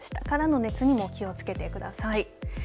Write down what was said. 下からの熱にも気をつけてください。